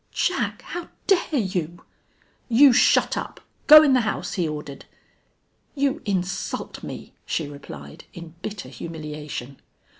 "Jack, how dare you!" "You shut up! Go in the house!" he ordered. "You insult me," she replied, in bitter humiliation.